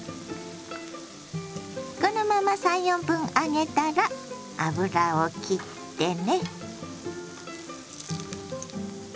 このまま３４分揚げたら油をきってね。